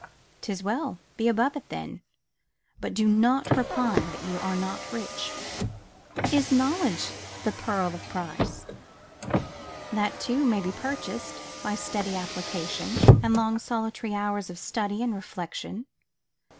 'Tis well: be above it then; only do not repine that you are not rich. Is knowledge the pearl of price? That too may be purchased by steady application, and long solitary hours of study and reflection.